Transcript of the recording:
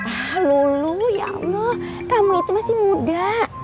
ah lho lu ya allah kamu itu masih muda